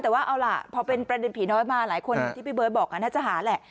แต่ว่าเอาล่ะพอเป็นประเด็นผีน้อยมากหลายคนที่ไปเบิ้ลบอกกันน่าจะหาแหละ